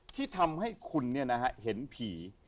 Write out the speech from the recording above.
ที่ทำให้คุณเห็นผี